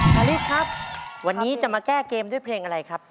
ริสครับวันนี้จะมาแก้เกมด้วยเพลงอะไรครับ